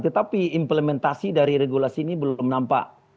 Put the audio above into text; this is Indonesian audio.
tetapi implementasi dari regulasi ini belum nampak